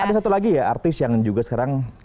ada satu lagi ya artis yang juga sekarang